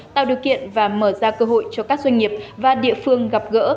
tạo điều kiện và mở ra cơ hội cho các doanh nghiệp và địa phương gặp gỡ